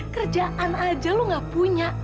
kerjaan aja lu nggak punya